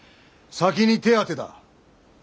先に手当てだ！